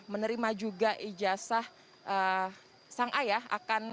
menerima juga ijazah sang ayah akan